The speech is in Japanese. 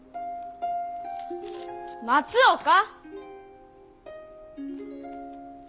松岡！